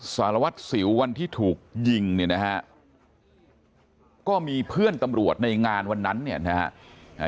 สารวัตรสิววันที่ถูกยิงเนี่ยนะฮะก็มีเพื่อนตำรวจในงานวันนั้นเนี่ยนะฮะ